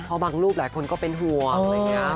เพราะบางรูปหลายคนก็เป็นห่วง